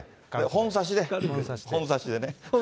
本差しで、本差しでね。